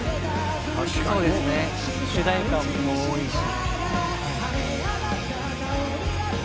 そうですね主題歌も多いし。